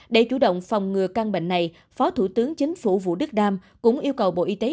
để chủ động phòng ngừa căn bệnh này phó thủ tướng chính phủ vũ đức đam cũng yêu cầu bộ y tế